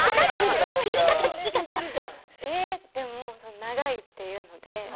長いっていうので。